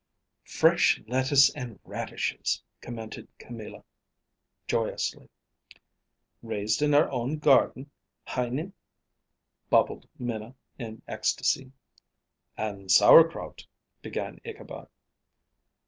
"Fresh lettuce and radishes!" commented Camilla, joyously. "Raised in our own garden hinein," bobbed Minna, in ecstasy. "And sauerkraut " began Ichabod.